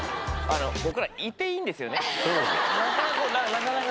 なかなか。